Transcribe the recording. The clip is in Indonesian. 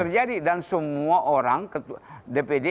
aklamasi kan dianggap sebagai hal yang tidak sesuai dengan kondisi